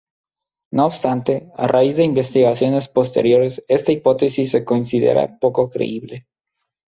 No obstante, a raíz de investigaciones posteriores esta hipótesis se considera poco creíble.